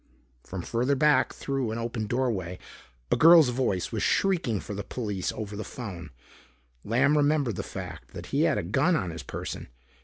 From further back, through an open doorway, a girl's voice was shrieking for the police over the phone. Lamb remembered the fact that he had a gun on his person.